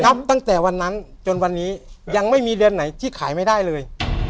จนวันนั้นจนวันนี้ยังไม่มีเดือนไหนที่ขายไม่ได้เลย